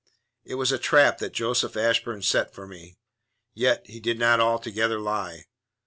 "It was a trap that Joseph Ashburn set for me. Yet he did not altogether lie.